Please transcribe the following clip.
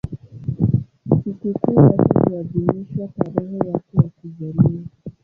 Sikukuu yake huadhimishwa tarehe yake ya kuzaliwa.